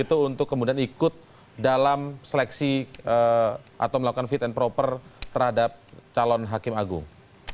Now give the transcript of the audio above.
itu untuk kemudian ikut dalam seleksi atau melakukan fit and proper terhadap calon hakim agung